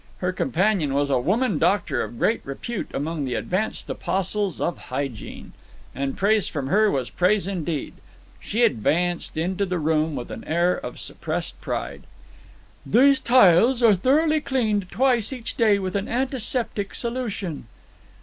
Her companion was a woman doctor of great repute among the advanced apostles of hygiene; and praise from her was praise indeed. She advanced into the room with an air of suppressed pride. "These tiles are thoroughly cleaned twice each day with an antiseptic solution."